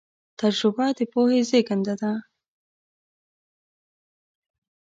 تجربه د پوهې زېږنده ده.